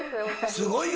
すごいよ。